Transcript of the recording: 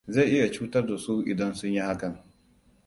Zai iya cutar da su idan sun yi hakan.